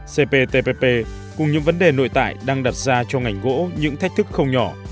cptpp cùng những vấn đề nội tại đang đặt ra cho ngành gỗ những thách thức không nhỏ